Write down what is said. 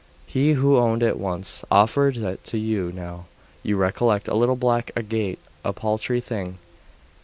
'He who owned it once, offers it to you now. You recollect a little black agate a paltry thing.....